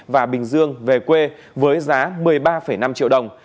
và bình dương về quê với giá một mươi ba năm triệu đồng